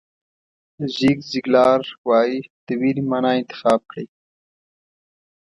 زیګ زیګلار وایي د وېرې معنا انتخاب کړئ.